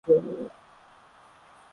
kabla ya kufanya mashauriano na viongozi